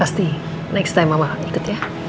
pasti next time mama ikut ya